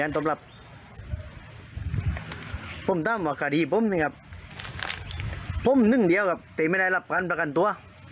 ตามคาดินี้ครับผมนื่องเดียวกับแต่ไม่ได้รับกันประกันตัว